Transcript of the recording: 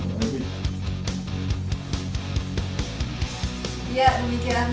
dan memiliki kesempatan